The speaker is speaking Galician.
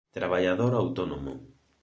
Traballador autónomo.